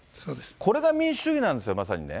これが民主主義なんですよ、まさにね。